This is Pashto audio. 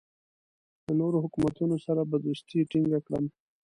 له نورو حکومتونو سره به دوستي ټینګه کړم.